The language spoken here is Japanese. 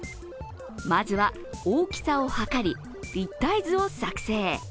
まずは大きさを測り、立体図を作成